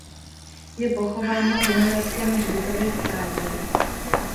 Je pochován na Vinohradském hřbitově v Praze.